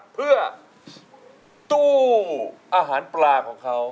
เพื่อตู้อาหารปลาของเขา